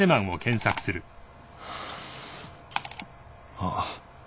あっ。